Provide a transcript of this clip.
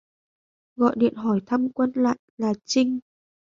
Gọi điện hỏi thăm Quân lại là Trinh